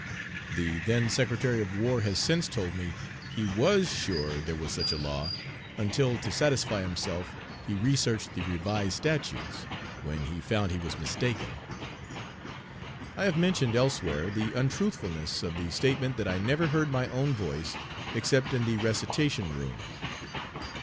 The then Secretary of War has since told me he was sure there was such a law, until to satisfy himself he searched the Revised Statutes, when he found he was mistaken. I have mentioned elsewhere the untruthfulness of the statement that I never heard my own voice except in The recitation room.